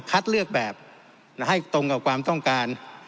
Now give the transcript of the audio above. เลือกแบบให้ตรงกับความต้องการ